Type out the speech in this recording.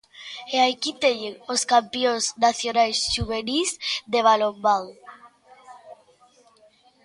E aquí teñen os campións nacionais xuvenís de balonmán.